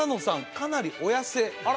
かなりお痩せあら？